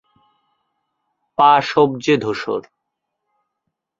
পা সবজে-ধূসর।